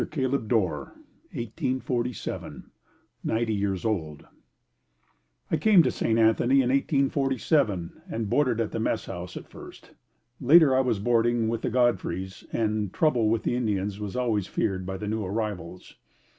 Caleb Dorr 1847, Ninety years old. I came to St. Anthony in 1847 and boarded at the messhouse at first. Later I was boarding with the Godfrey's and trouble with the Indians was always feared by the new arrivals.